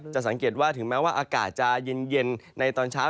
สังเกตว่าถึงแม้ว่าอากาศจะเย็นในตอนเช้า